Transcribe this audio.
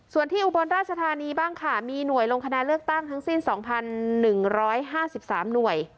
ส่วนที่อุบลราชธานีบ้างค่ะมีหน่วยลงคะแนนเลือกตั้งทั้งสิ้น๒๑๕๓หน่วย